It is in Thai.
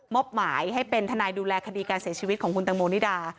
อบหมายให้เป็นทนายดูแลคดีการเสียชีวิตของคุณตังโมนิดา